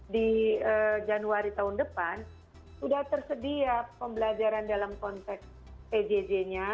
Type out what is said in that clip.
di januari tahun depan sudah tersedia pembelajaran dalam konteks pjj nya